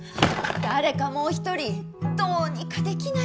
誰かもう一人どうにかできないんですか？